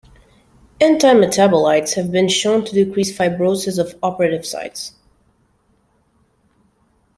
Antimetabolites have been shown to decrease fibrosis of operative sites.